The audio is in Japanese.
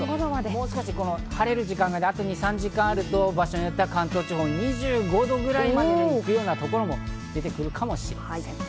もう少し晴れる時間があと２３時間あると、場所によっては関東地方、２５度ぐらいまで行くようなところも出てくるかもしれません。